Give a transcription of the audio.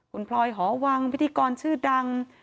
คุณพลอยหอวังพิธีกรชื่อดัง